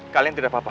kalian tidak apa apa